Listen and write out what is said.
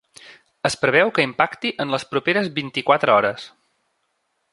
Es preveu que impacti en les properes vint-i-quatre hores.